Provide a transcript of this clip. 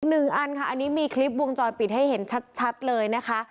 หนึ่งอันค่ะอันนี้มีคลิปวงจรปิดให้เห็นชัดเลยนะคะ